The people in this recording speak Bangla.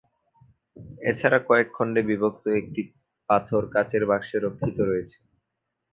এছাড়া কয়েক খণ্ডে বিভক্ত একটি পাথর কাচের বাক্সে রক্ষিত রয়েছে।